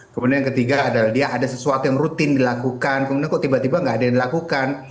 kemudian yang ketiga adalah dia ada sesuatu yang rutin dilakukan kemudian kok tiba tiba nggak ada yang dilakukan